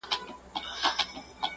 ژوند د وېري سيوري للاندي دی